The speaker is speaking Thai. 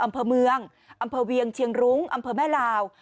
อำเภอเมืองอำเภอเวียงเชียงรุ้งอำเภอแม่ลาว